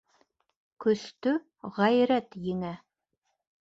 Көстө ғәйрәт еңә.